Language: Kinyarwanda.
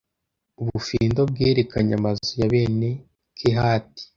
ubufindo bwerekanye amazu ya bene kehati